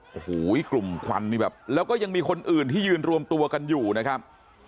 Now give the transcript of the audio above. โอ้โหกลุ่มควันนี่แบบแล้วก็ยังมีคนอื่นที่ยืนรวมตัวกันอยู่นะครับ